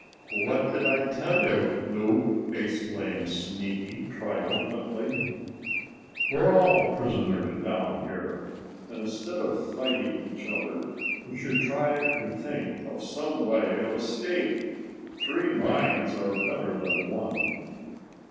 "What did I tell you, Loup," exclaimed Sneaky triumphantly. "We're all prisoners down here, and instead of fighting each other we should try to think of some way of escape. Three minds are better than one."